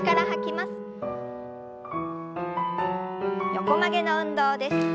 横曲げの運動です。